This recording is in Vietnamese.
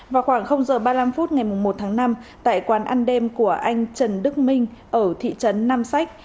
vào khoảng h ba mươi năm phút ngày một tháng năm tại quán ăn đêm của anh trần đức minh ở thị trấn nam sách